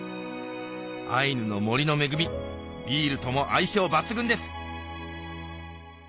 アイヌの森の恵みビールとも相性抜群です